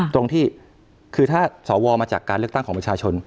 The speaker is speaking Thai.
ตรงที่คือถ้าสวมาจากการเลือกตั้งของประชาชน